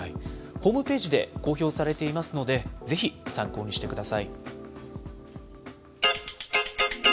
ホームページで公表されていますので、ぜひ参考にしてください。